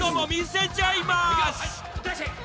いってらっしゃい！